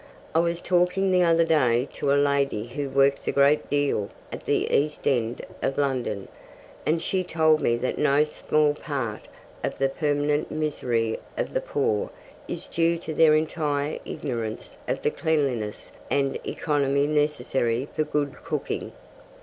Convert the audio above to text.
I was talking the other day to a lady who works a great deal at the East End of London, and she told me that no small part of the permanent misery of the poor is due to their entire ignorance of the cleanliness and economy necessary for good cooking.